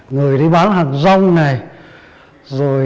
người đi bán hàng rong